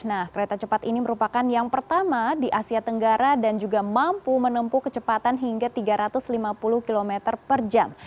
nah kereta cepat ini merupakan yang pertama di asia tenggara dan juga mampu menempuh kecepatan hingga tiga ratus lima puluh km per jam